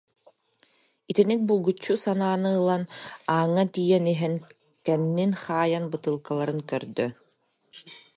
Итинник булгуччу санааны ылынан ааҥҥа тиийэн иһэн, кэннин хайыһан бытыылкаларын көрдө